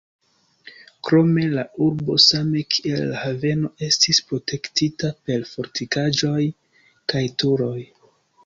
Krome la urbo, same kiel la haveno estis protektita per fortikaĵoj kaj turoj.